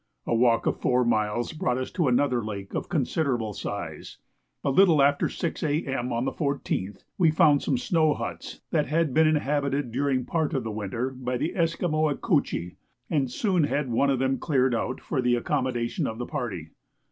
A walk of four miles brought us to another lake of considerable size. A little after 6 A.M. on the 14th, we found some snow huts that had been inhabited during part of the winter by the Esquimaux Ecouchi, and soon had one of them cleared out for the accommodation of the party.